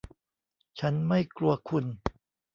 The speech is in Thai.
ฉันไม่กลัวคุณ